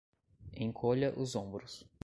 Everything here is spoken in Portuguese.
Encolha os ombros